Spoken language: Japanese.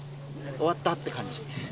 終わったって感じ。